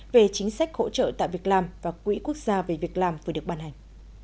về chính sách hỗ trợ tại việc làm và quỹ quốc gia về việc làm vừa được bàn hành